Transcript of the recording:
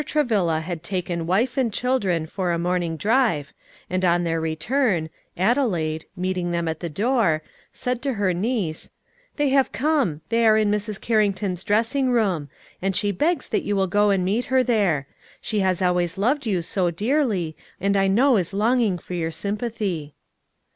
Travilla had taken wife and children for a morning drive, and on their return, Adelaide, meeting them at the door, said to her niece, "They have come, they are in Mrs. Carrington's dressing room; and she begs that you will go and meet her there. She has always loved you so dearly, and I know is longing for your sympathy."